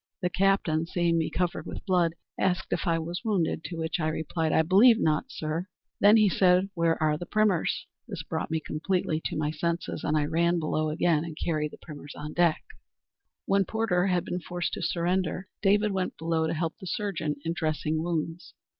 The captain seeing me covered with blood, asked if I was wounded; to which I replied, 'I believe not, sir.' 'Then,' said he, 'where are the primers?' This brought me completely to my senses, and I ran below again and carried the primers on deck." When Porter had been forced to surrender, David went below to help the surgeon in dressing wounds.